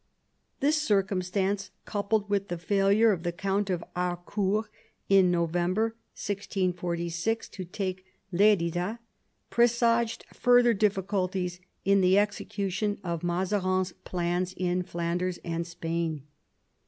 This circumstance, coupled with the failure of the Count of Harcourt in November 1646 to take Lerida, presaged further difficulties in the execution of Mazarin's plans in Flanders and Spain.